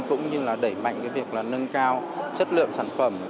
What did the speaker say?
cũng như là đẩy mạnh cái việc là nâng cao chất lượng sản phẩm